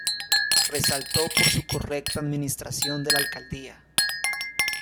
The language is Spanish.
Resaltó por su correcta administración de la alcaldía.